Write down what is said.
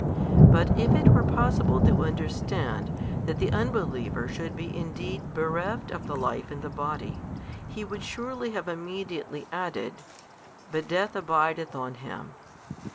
But if it were possible to understand that the unbeliever should be indeed bereft of the life in the body, he would surely have immediately added, "but death abideth on him."